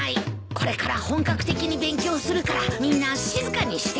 これから本格的に勉強するからみんな静かにして。